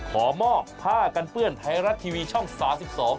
ขอมอบผ้ากันเปื้อนไทยรัฐทีวีช่องสามสิบสอง